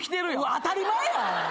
当たり前や！